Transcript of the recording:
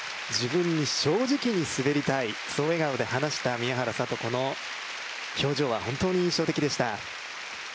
自分に正直に滑りたい、そう笑顔で話した宮原知子の笑顔は本当に印象的でした。